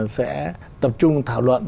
sẽ tập trung thảo luận